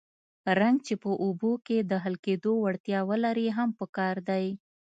رنګ چې په اوبو کې د حل کېدو وړتیا ولري هم پکار دی.